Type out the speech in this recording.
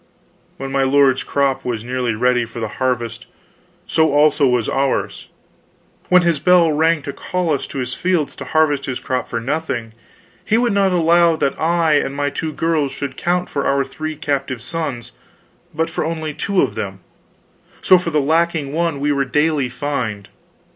When my lord's crop was nearly ready for the harvest, so also was ours; when his bell rang to call us to his fields to harvest his crop for nothing, he would not allow that I and my two girls should count for our three captive sons, but for only two of them; so, for the lacking one were we daily fined.